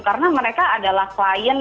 karena mereka adalah klien